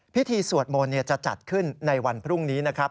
สวดมนต์จะจัดขึ้นในวันพรุ่งนี้นะครับ